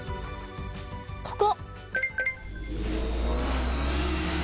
ここ。